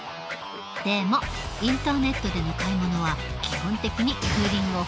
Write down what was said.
でもインターネットでの買い物は基本的にクーリングオフはできない。